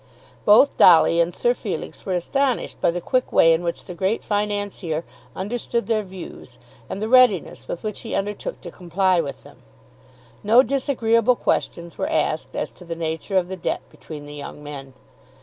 Both Dolly and Sir Felix were astonished by the quick way in which the great financier understood their views and the readiness with which he undertook to comply with them. No disagreeable questions were asked as to the nature of the debt between the young men.